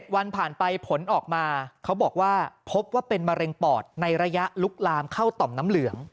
วันผ่านไปผลออกมาเขาบอกว่าพบว่าเป็นมะเร็งปอดในระยะลุกลามเข้าต่อมน้ำเหลือง